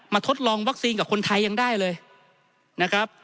ทดลองวัคซีนกับคนไทยยังได้เลยนะครับ